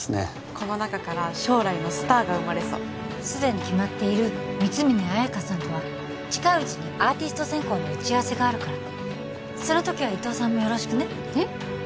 この中から将来のスターが生まれそうすでに決まっている光峯綾香さんとは近いうちにアーティスト選考の打ち合わせがあるからその時は伊藤さんもよろしくねえっ？